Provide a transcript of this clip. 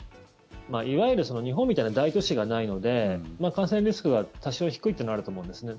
いわゆる日本みたいな大都市がないので感染リスクが多少低いというのはあると思うんですね。